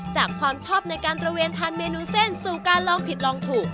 ความชอบในการตระเวนทานเมนูเส้นสู่การลองผิดลองถูก